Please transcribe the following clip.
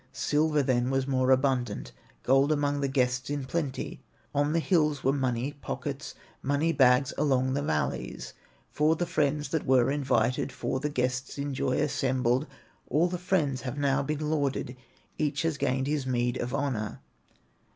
Silver then was more abundant, Gold among the guests in plenty, On the hills were money pockets, Money bags along the valleys, For the friends that were invited, For the guests in joy assembled. All the friends have now been lauded, Each has gained his meed of honor."